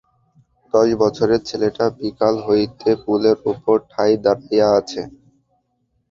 দশবছরের ছেলেটা বিকাল হইতে পুলের উপর ঠায় দাড়াইয়া আছে।